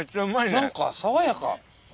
何か爽やか。